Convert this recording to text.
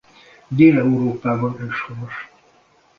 Dél-Európában őshonos.